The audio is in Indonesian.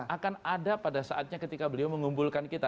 akan ada pada saatnya ketika beliau mengumpulkan kita